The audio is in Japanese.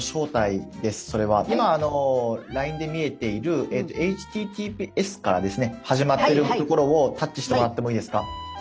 今ＬＩＮＥで見えているｈｔｔｐｓからですね始まってるところをタッチしてもらってもいいですか？